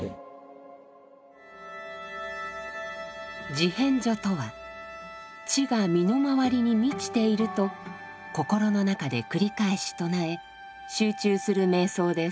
「地遍処」とは地が身の回りに満ちていると心の中で繰り返し唱え集中する瞑想です。